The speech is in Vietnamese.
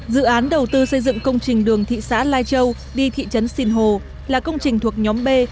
dự án đầu tư xây dựng công trình đường thị xã lai châu đi thị trấn sinh hồ là công trình thuộc nhóm b